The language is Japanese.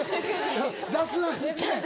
雑談して。